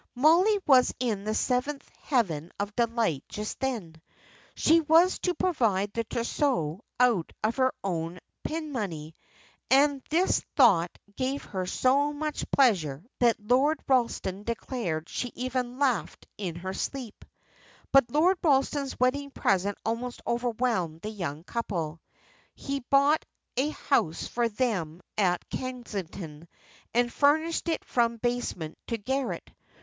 Mollie was in the seventh heaven of delight just then; she was to provide the trousseau out of her own pin money, and this thought gave her so much pleasure that Lord Ralston declared she even laughed in her sleep. But Lord Ralston's wedding present almost overwhelmed the young couple. He bought a house for them at Kensington and furnished it from basement to garret.